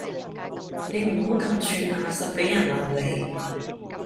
你唔好咁串呀實畀人鬧你